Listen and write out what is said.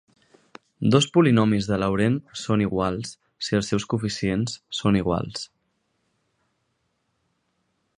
Dos polinomis de Laurent són iguals si els seus coeficients són iguals.